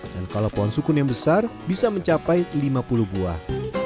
dan kalau pohon sukun yang besar bisa mencapai lima puluh buah